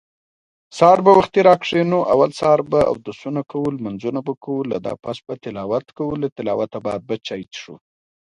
د سانکو د بې عدالتۍ له امله خلک مخالفت ته هڅېدل.